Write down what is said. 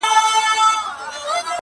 که په خوب دي جنت و نه لید بیا وایه,